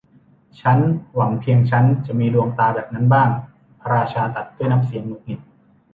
ชั้นหวังเพียงชั้นจะมีดวงตาแบบนั้นบ้าง พระราชาตรัสด้วยน้ำเสียงหงุดหงิด